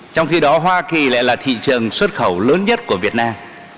trong khi đó hoa kỳ lại là thị trường xuất khẩu lớn nhất của việt nam